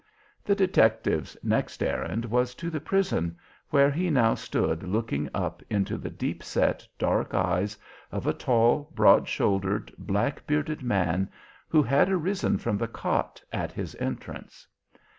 The detective's next errand was to the prison, where he now stood looking up into the deep set, dark eyes of a tall, broad shouldered, black bearded man, who had arisen from the cot at his entrance.